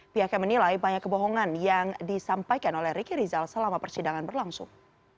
pihaknya menilai banyak kebohongan yang disampaikan oleh riki rizal selama persidangan berlangsung